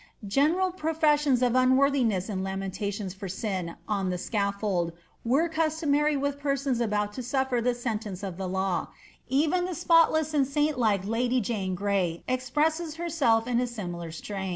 Genenl 'ofemons af unwurthinesa and lamentations for aiu on the scailbld "rie custOLmary witti persons about to suiTer the sentence of tlic law; ' I en the spotless snu saint like lady Jane Grey expresses herself in I similar atiam.